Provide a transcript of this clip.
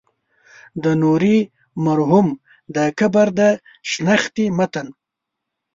د نوري مرحوم د قبر د شنختې متن.